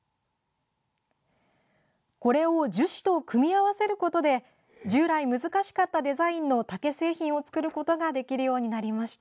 これを樹脂と組み合わせることで従来難しかったデザインの竹製品を作ることができるようになりました。